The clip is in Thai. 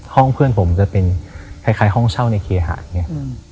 ห้องเพื่อนผมจะเป็นคล้ายห้องเช่าในเคหาดไง